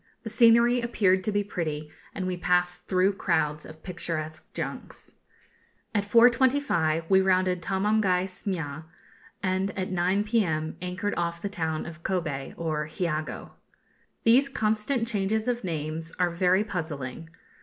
The scenery appeared to be pretty, and we passed through crowds of picturesque junks. At 4.25 we rounded Tomamgai Smia, and at 9 p.m. anchored off the town of Kobe, or Hiogo. These constant changes of names are very puzzling.